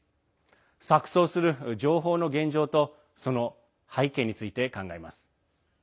錯そうする情報の現状とその背景について考えます。